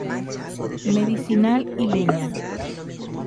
Medicinal y leña.